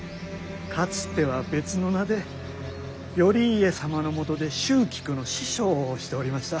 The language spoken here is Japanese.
かつては別の名で頼家様のもとで蹴鞠の師匠をしておりました。